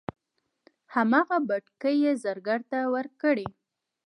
هغه بتکۍ یې زرګر ته ورکړې.